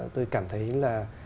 tôi cảm thấy là